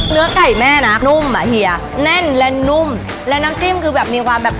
เนื้อไก่แม่นะนุ่มอ่ะเฮียแน่นและนุ่มแล้วน้ำจิ้มคือแบบมีความแบบ